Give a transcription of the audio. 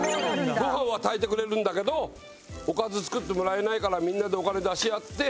ご飯は炊いてくれるんだけどおかず作ってもらえないからみんなでお金出し合って。